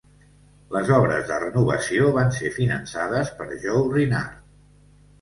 Les obres de renovació van ser finançades per Joe Rinard.